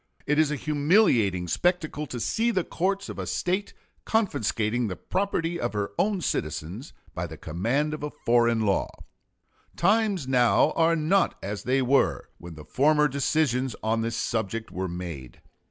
It is a humiliating spectacle to see the courts of a State confiscating the property of her own citizens by the command of a foreign law.... Times now are not as they were when the former decisions on this subject were made.